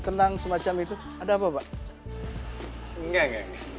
tenang semacam itu ada apa pak enggak enggak